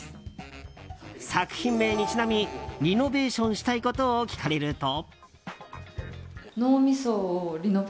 作品名にちなみリノベーションしたいことを聞かれると。